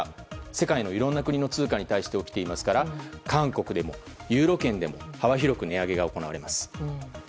世界のいろんな国の通貨に対して起きていますから韓国でも、ユーロ圏でも幅広く値上げが行われます。